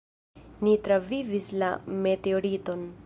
"Ni travivis la meteoriton."